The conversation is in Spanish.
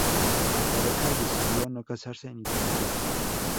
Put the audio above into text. La pareja decidió no casarse ni tener hijos.